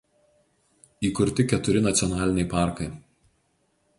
Įkurti keturi nacionaliniai parkai.